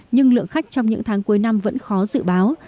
nhưng lượng khách trong những tháng cuối năm vẫn khó dự báo